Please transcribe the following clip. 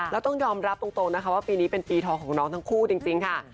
แล้วต้องยอมรับตรงนะคะว่าปีนี้เป็นปีทองของน้องทั้งคู่จริงค่ะ